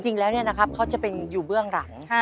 จริงแล้วเขาจะเป็นอยู่เบื้องหลัง